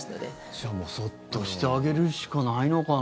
じゃあ、もうそっとしてあげるしかないのかな。